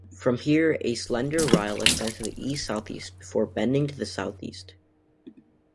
From here a slender rille extends to the east-southeast before bending to the southeast.